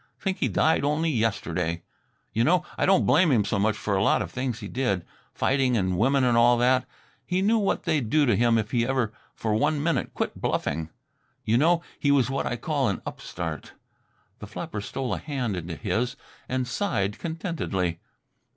Think he'd died only yesterday. You know, I don't blame him so much for a lot of things he did fighting and women and all that. He knew what they'd do to him if he ever for one minute quit bluffing. You know, he was what I call an upstart." The flapper stole a hand into his and sighed contentedly.